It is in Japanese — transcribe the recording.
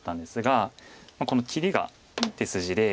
この切りが手筋で。